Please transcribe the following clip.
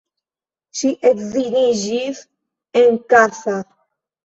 Ŝi edziniĝis en Kassa.